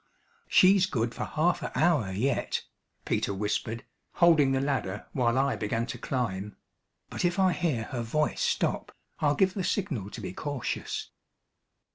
"She's good for half a hour yet," Peter whispered, holding the ladder while I began to climb; "but if I hear her voice stop, I'll give the signal to be cautious."